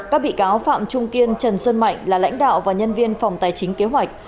các bị cáo phạm trung kiên trần xuân mạnh là lãnh đạo và nhân viên phòng tài chính kế hoạch